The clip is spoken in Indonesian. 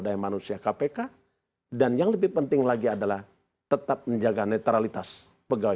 daya manusia kpk dan yang lebih penting lagi adalah tetap menjaga netralitas pegawai